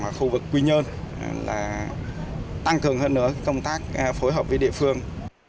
và khu vực quy nhân tăng cường hơn nữa công tác phối hợp với địa phương